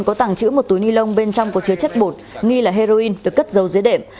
có tàng trữ một túi ni lông bên trong có chứa chất bột nghi là heroin được cất dầu dưới đệm